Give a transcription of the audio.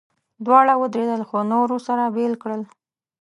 دواړه ودرېدل، خو نورو سره بېل کړل.